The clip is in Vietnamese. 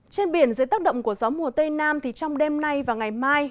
trên biển dưới tác động của gió mùa tây nam thì trong đêm nay và ngày mai